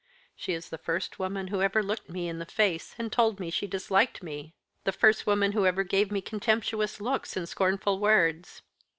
She is the first woman who ever looked me in the face and told me she disliked me; the first woman who ever gave me contemptuous looks and scornful words.